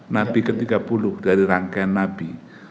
nabi ke tiga puluh dari rangkaian nabi